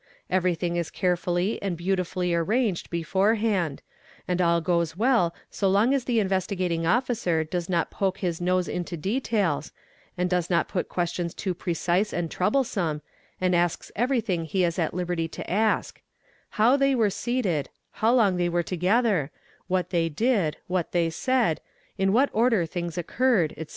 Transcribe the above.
Everything is carefully and beautifully arranged before hand, and all goes well so long as the Investigating Officer does not poke his nose into details, does not put questions too precise and troublesome, and asks everything he is at: liberty to ask:—how they were seated, how long they were together, what they did, what they said, in what — order things occurred, &c.